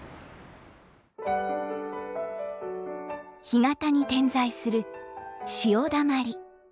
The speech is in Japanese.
干潟に点在する潮だまり。